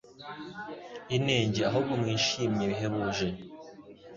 inenge ahubwo mwishimye bihebuje